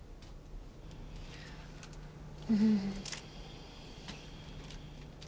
うん。